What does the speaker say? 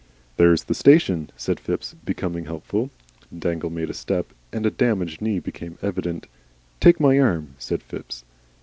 "There's the station," said Phipps, becoming helpful. Dangle made a step, and a damaged knee became evident. "Take my arm," said Phipps.